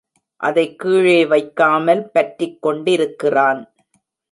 அதைக் கீழே வைக்காமல் பற்றிக் கொண்டிருக்கிறான்.